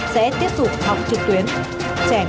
sẽ tiếp tục học trực tuyến